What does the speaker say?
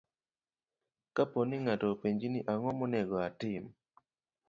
Kapo ni ng'ato openji ni, "Ang'o monego atim?"